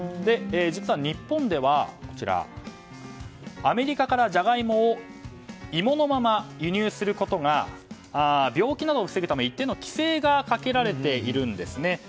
実は日本ではアメリカからジャガイモを芋のまま輸入することが病気などを防ぐために一定の規制がかけられているんですね。